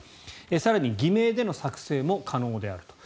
更に偽名での作成も可能であると。